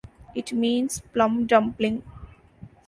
It means plum dumpling.